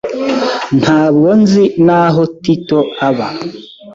Ntabwo nzi n'aho Tito aba.